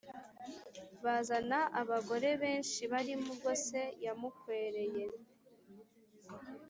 bazana abagore benshi, barimo uwo se yamukwereye